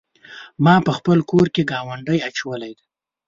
ما په خپل کور کې ګاونډی اچولی دی.